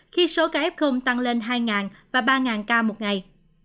khi số ca f tăng lên hai và ba ca một ngày